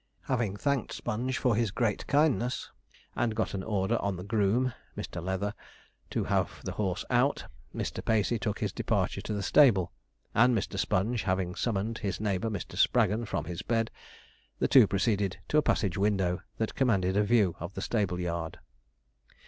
Having thanked Sponge for his great kindness, and got an order on the groom (Mr. Leather) to have the horse out, Mr. Pacey took his departure to the stable, and Sponge having summoned his neighbour Mr. Spraggon from his bed, the two proceeded to a passage window that commanded a view of the stable yard.